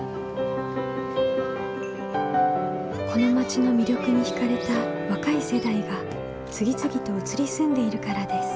この町の魅力に惹かれた若い世代が次々と移り住んでいるからです。